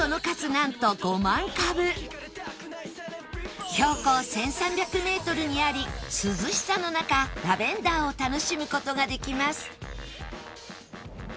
なんと標高１３００メートルにあり涼しさの中ラベンダーを楽しむ事ができます